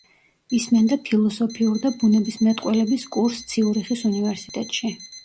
ისმენდა ფილოსოფიურ და ბუნებისმეტყველების კურსს ციურიხის უნივერსიტეტში.